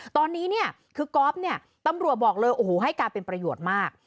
ตอนนี้เนี่ยคือก๊อฟเนี่ยตำรวจบอกเลยโอ้โหให้การเป็นประโยชน์มาก